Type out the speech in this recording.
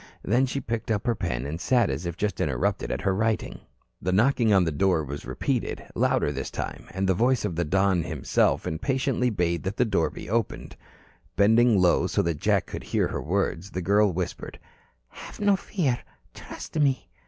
Then she picked up her pen and sat as if just interrupted at her writing. The knocking on the door was repeated, louder this time, and the voice of the Don himself impatiently bade that the door be opened. Bending low so that Jack could hear her words, the girl whispered: "Have no fear. Trust me."